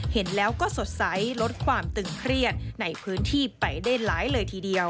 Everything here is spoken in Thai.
เห็นแล้วก็สดใสลดความตึงเครียดในพื้นที่ไปได้หลายเลยทีเดียว